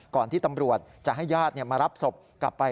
ก่อนที่ตำรวจจะให้ญาติมารับศพกลับไป